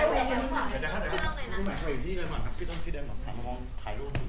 พี่ใหม่ก็มีนะคะ